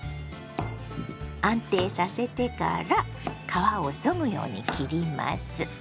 安定させてから皮をそぐように切ります。